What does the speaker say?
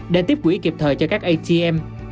để tiếp quỷ kịp thời cho các atm